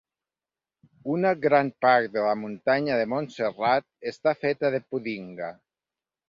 Una gran part de la muntanya de Montserrat està feta de pudinga.